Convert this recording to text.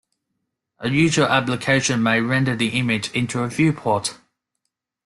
A user application may render the image into a viewport.